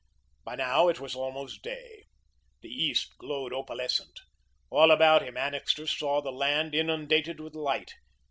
By now it was almost day. The east glowed opalescent. All about him Annixter saw the land inundated with light.